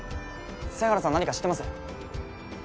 犀原さん何か知ってます？